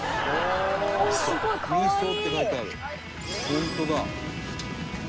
「ホントだ」